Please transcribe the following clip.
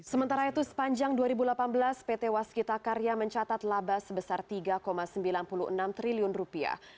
sementara itu sepanjang dua ribu delapan belas pt waskita karya mencatat laba sebesar tiga sembilan puluh enam triliun rupiah